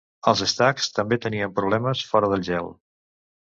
El Stags també tenien problemes fora del gel.